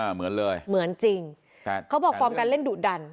เหมือนเลยเหมือนจริงเขาบอกฟอร์มการเล่นดุดัน